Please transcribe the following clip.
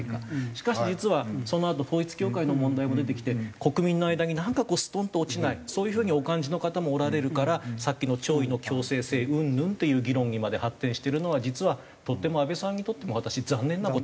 しかし実はそのあと統一教会の問題も出てきて国民の間になんかこうストンと落ちないそういう風にお感じの方もおられるからさっきの弔意の強制性うんぬんっていう議論にまで発展してるのは実はとても安倍さんにとっても残念な事になってるんですよ。